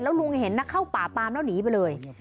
ลุงเห็นนะเข้าป่าปามแล้วหนีไปเลย